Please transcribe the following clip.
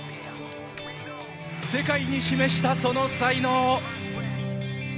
世界に示した、その才能。